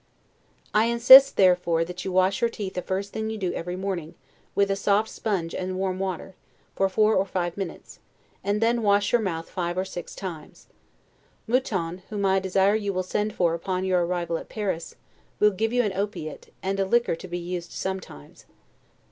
I insist, therefore, that you wash your teeth the first thing you do every morning, with a soft sponge and swarm water, for four or five minutes; and then wash your mouth five or six times. Mouton, whom I desire you will send for upon your arrival at Paris, will give you an opiate, and a liquor to be used sometimes.